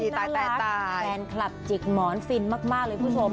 ตายแฟนคลับจิกหมอนฟินมากเลยคุณผู้ชม